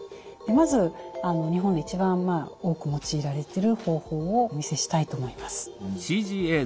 まず日本で一番多く用いられてる方法をお見せしたいと思います。